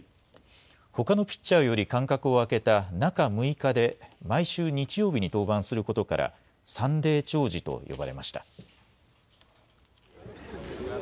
ほかのピッチャーより間隔を開けた中６日で、毎週日曜日に登板することから、サンデー兆治と呼ばれました。